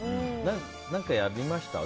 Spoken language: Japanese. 何かやりました？